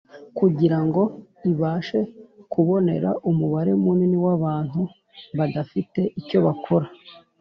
kugirango ibashe kubonera umubare munini w'abantu badafite icyo bakora